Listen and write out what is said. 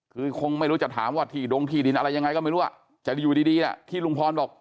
คือคงไม่รู้จะถามว่าที่ดงที่ดินอะไรยังไงก็ไม่รู้อ่ะแต่อยู่ดีที่ลุงพรบอก